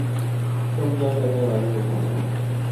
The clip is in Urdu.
تم کیا کرنے والے ہو